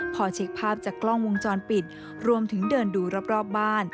พอเช็คภาพจากกล้องวงจรปิดรวมถึงเดินดูรอบบ้าน